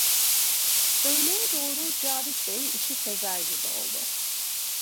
Öğleye doğru Cavit Bey işi sezer gibi oldu.